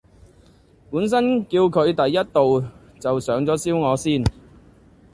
本身叫佢第一道就上左燒鵝先